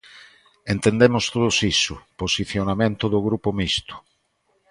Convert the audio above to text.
Entendemos todos iso: posicionamento do Grupo Mixto.